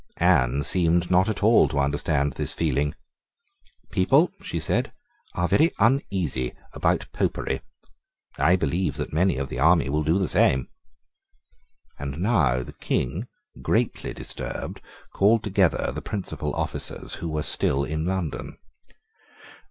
Anne seemed not at all to understand this feeling. "People," she said, "are very uneasy about Popery. I believe that many of the army will do the same." And now the King, greatly disturbed, called together the principal officers who were still in London.